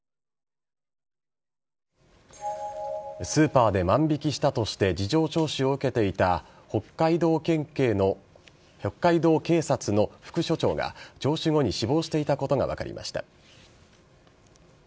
スーパーで万引きしたとして事情聴取を受けていた北海道警察の副署長が聴取後に死亡していたことが分かりました。